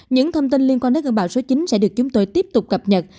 những thông tin liên quan đến cơn bão số chín sẽ được chúng tôi tiếp tục cập nhật